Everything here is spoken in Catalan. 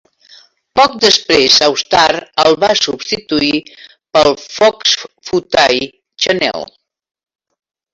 Poc després Austar el va substituir pel Fox Footy Channel.